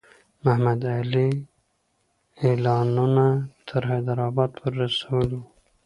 محمدعلي اعلانونه تر حیدرآباد پوري رسولي وو.